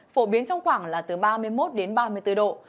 phổ biến trong khoảng là từ ba mươi một đến ba mươi bốn độ